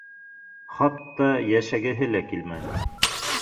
Хатта йәшәгеһе лә килмәне